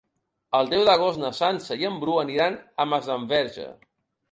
El deu d'agost na Sança i en Bru aniran a Masdenverge.